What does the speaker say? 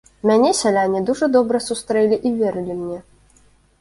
Мяне сяляне дужа добра сустрэлі і верылі мне.